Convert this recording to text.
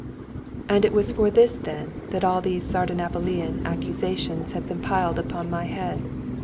And it was for this, then, that all these Sardanapalian accusations had been piled upon my head.